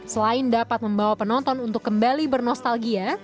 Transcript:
selain dapat membawa penonton untuk kembali bernostalgia